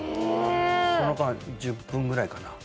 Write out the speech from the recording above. その間１０分ぐらいかな？